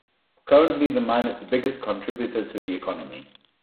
Currently the mine is the biggest contributor to the economy.